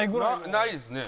ないですね。